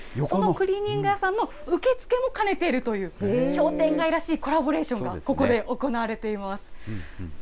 そこのクリーニング屋さんの受け付けも兼ねているという、商店街らしいコラボレーションがここで行われています。